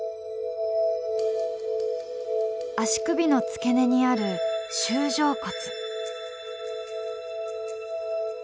足首の付け根にある舟状骨。